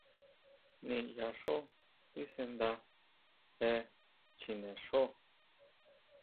¿Niyá xjo tisanda je chjine xjo?